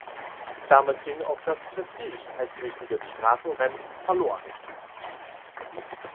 Damit ging auch das Prestige als wichtiges Straßenrennen verloren.